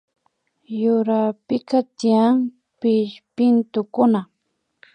Yurapika tiyan pillpintukuna